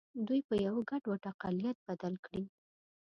دوی په یوه ګډوډ اقلیت بدل کړي.